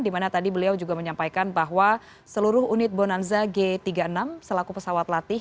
dimana tadi beliau juga menyampaikan bahwa seluruh unit bonanza g tiga puluh enam selaku pesawat latih